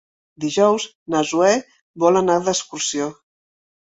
Dijous na Zoè vol anar d'excursió.